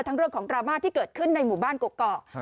เรื่องของดราม่าที่เกิดขึ้นในหมู่บ้านกกอก